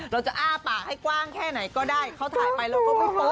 เราจะอ้าปากให้กว้างแค่ไหนก็ได้เขาถ่ายไปเราก็ไม่โป๊